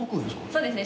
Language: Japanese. そうですね。